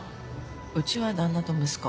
うちは旦那と息子。